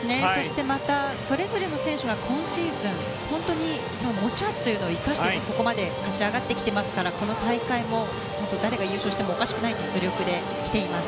それぞれの選手が今シーズン本当に持ち味というのを生かしてここまで勝ち上がってきていますからこの大会も誰が優勝してもおかしくない実力できています。